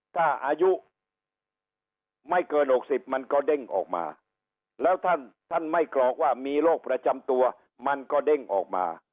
ถ้าอายุไม่เกิน๖๐มันก็เด้งออกมาแล้วท่านท่านไม่กรอกว่ามีโรคประจำตัวมันก็เด้งออกมา